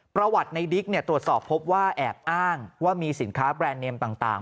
ประวัติในดิ๊กตรวจสอบพบว่าแอบอ้างว่ามีสินค้าแบรนด์เนมต่าง